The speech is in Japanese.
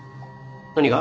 何が？